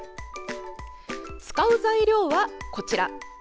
使う材料は、こちら。